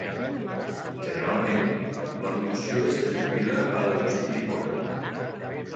Generalment, la locució és atribuïda a l'Agustí d'Hipona.